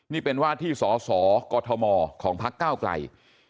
นี่เป็นว่าที่สสกมของพักเก้าไกล